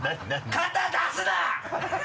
肩出すな？